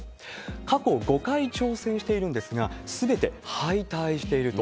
過去５回挑戦しているんですが、すべて敗退していると。